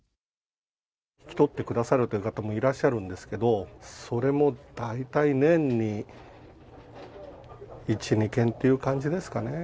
引き取ってくださるという方もいらっしゃるんですけど、それも大体年に１、２件という感じですかね。